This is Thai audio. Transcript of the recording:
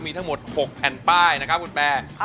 มีทั้งหมด๖แผ่นป้ายนะครับคุณแปร